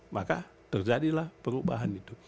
maka terjadilah perubahan itu